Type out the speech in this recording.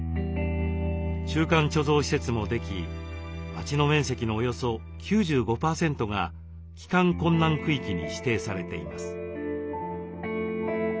中間貯蔵施設もでき町の面積のおよそ９５％が帰還困難区域に指定されています。